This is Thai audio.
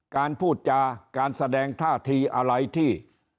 การพูดจาการแสดงท่าทีอะไรที่